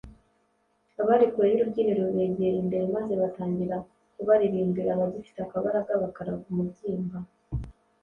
abari kure y’urubyiniro begera imbere maze atangira kubaririmbira abagifite akabaraga bakaraga umubyimba